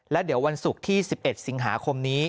และเดี๋ยววันศุกร์ที่๑๑สิงหาคมนี้